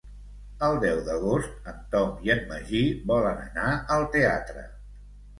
El deu d'agost en Tom i en Magí volen anar al teatre.